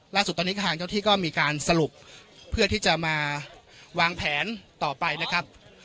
ล่าสุดตอนนี้ทางเจ้าที่ก็มีการสรุปเพื่อที่จะมาวางแผนต่อไปนะครับ